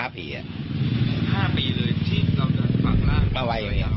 ๕ปีเลยที่เราก็ฝังร่าง